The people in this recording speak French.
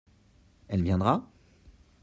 Elle viendra ?